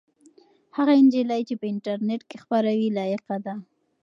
هغه نجلۍ چې په انټرنيټ کې خپروي لایقه ده.